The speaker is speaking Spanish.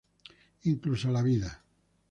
Incluso la vida.